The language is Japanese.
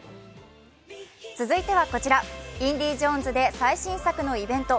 続いてはこちら、「インディ・ジョーンズ」で最新作のイベント。